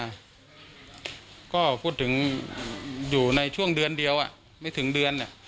ก็พูดถึงอยู่ในช่วงเดือนเดียวอ่ะไม่ถึงเดือน